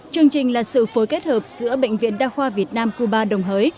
chương trình là sự phối kết hợp giữa bệnh viện đa khoa việt nam cuba đồng hới